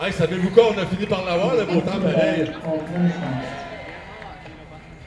He was once in a band called Renaissance.